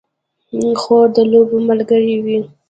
خور د لوبو ملګرې وي.